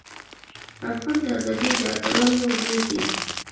افغان د ازادۍ د اتلانو زوی دی.